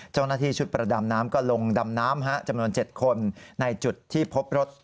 เจ้าหน้าที่ชุดประดาน้ำก็ลงดำน้ำจำนวน๗คนในจุดที่พบรถ